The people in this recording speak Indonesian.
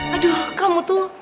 aduh kamu tuh